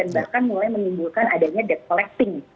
bahkan mulai menimbulkan adanya debt collecting